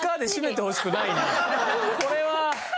これは。